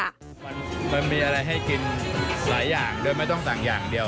มันมีอะไรให้กินหลายอย่างโดยไม่ต้องสั่งอย่างเดียว